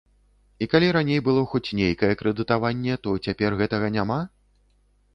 І калі раней было хоць нейкае крэдытаванне, то цяпер гэтага няма?